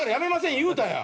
言うたやん。